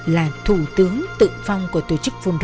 là thủ tướng tự phong của tổ chức fungro